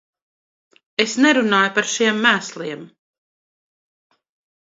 Es nerunāju par šiem mēsliem.